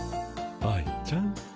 愛ちゃん。